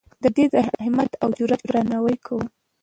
د ده د همت او جرئت درناوی کوو.